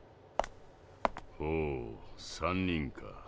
ほう３人か。